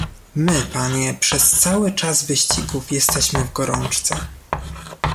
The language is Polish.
"My, panie, przez cały czas wyścigów jesteśmy w gorączce."